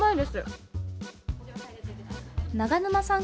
長沼さん